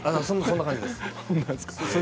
そんな感じです。